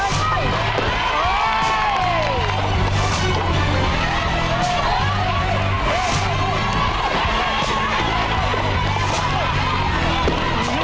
ให้เข้าไปก่อนเลย